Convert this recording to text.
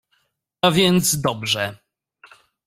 — A więc dobrze.